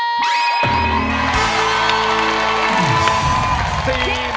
ร้องได้ให้ล้าน